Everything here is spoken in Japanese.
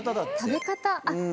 食べ方？